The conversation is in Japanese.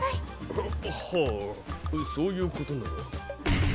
はっはあそういうことなら。